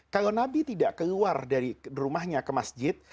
kalau nabi tidak keluar dari rumahnya ke masjid